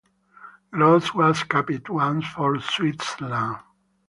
Gross was capped once for Switzerland.